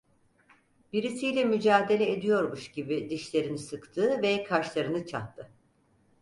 Birisiyle mücadele ediyormuş gibi dişlerini sıktı ve kaşlarını çattı.